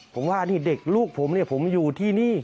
ผมว่านี่เด็กลูกผมผมอยู่ที่นี่